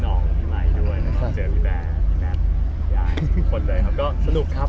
ตื่นเต้นครับ